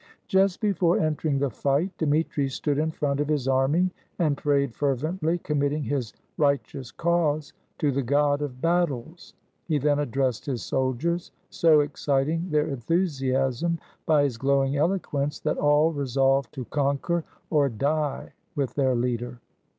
Just before entering the fight, Dmitri stood in front of his army, and prayed fervently, committing his right eous cause to the God of battles. He then addressed his soldiers, so exciting their enthusiasm by his glowing eloquence, that all resolved to conquer, or die with their leader.